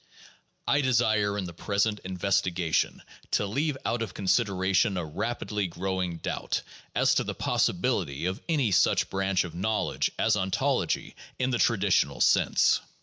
I desire in the present investigation to leave out of consideration a rapidly growing doubt as to the possibility of any such branch of knowledge as ontology in the traditional sense.